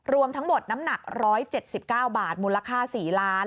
รวมทั้งหมดน้ำหนัก๑๗๙บาทมูลค่า๔ล้าน